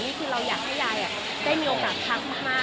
นี่คือเราอยากให้ยายได้มีโอกาสพักมาก